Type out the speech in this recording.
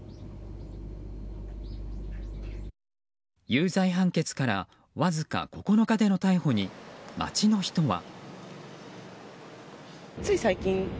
有罪判決からわずか９日での逮捕に、街の人は。